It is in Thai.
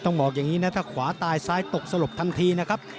บอกอย่างนี้นะถ้าขวาตายซ้ายตกสลบทันทีนะครับ